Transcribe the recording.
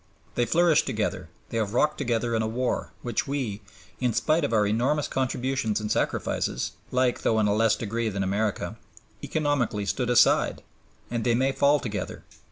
They flourished together, they have rocked together in a war, which we, in spite of our enormous contributions and sacrifices (like though in a less degree than America), economically stood outside, and they may fall together.